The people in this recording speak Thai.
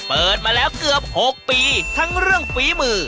เปิดมาแล้วเกือบ๖ปีทั้งเรื่องฝีมือ